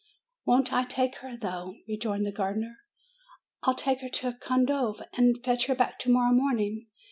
"Won't I take her, though!" rejoined the gardener. "Fll take her to Condove, and fetch her back to morrow morning.